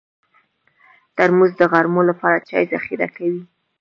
ترموز د غرمو لپاره چای ذخیره کوي.